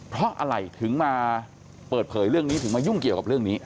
เพราะอะไรถึงมาเปิดเผยเรื่องนี้ถึงมายุ่งเกี่ยวกับเรื่องนี้